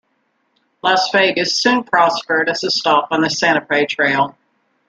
Las Vegas soon prospered as a stop on the Santa Fe Trail.